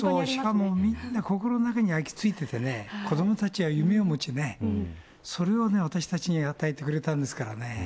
しかもみんな心の中に焼き付いててね、子どもたちは夢を持ちね、それを私たちに与えてくれたんですからね。